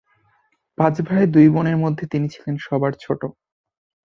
পাঁচ ভাই দুই বোনের মধ্যে তিনি ছিলেন সবার ছোট।